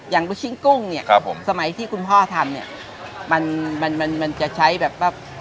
ลูกชิ้นกุ้งเนี่ยครับผมสมัยที่คุณพ่อทำเนี่ยมันมันจะใช้แบบว่า